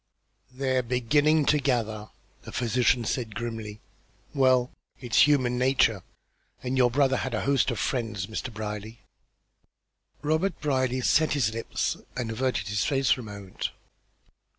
"They're beginning to gather," the physician said, grimly. "Well, it's human nature, and your brother had a host of friends, Mr. Brierly." Robert Brierly set his lips and averted his face for a moment.